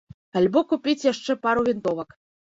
Альбо купіць яшчэ пару вінтовак.